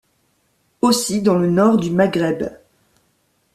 Aussi dans le nord du Maghreb.